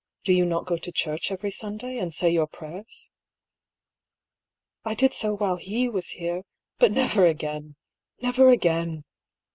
" Do you not go to church every Sunday, and say your prayers?" " I did so while he was here — but never again, never again!"